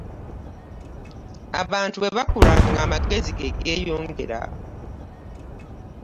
Abantu bwe bakula nga amagezi ge geyongera .